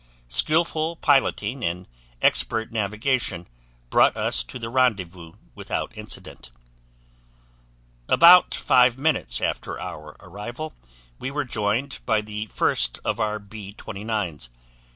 Skillful piloting and expert navigation brought us to the rendezvous without incident. "About five minutes after our arrival, we were joined by the first of our B 29's.